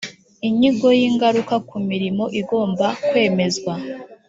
inyigo y’ingaruka ku mirimo igomba kwemezwa